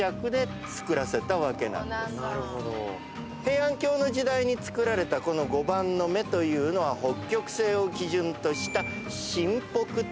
平安京の時代につくられたこの碁盤の目というのは北極星を基準とした真北という基準。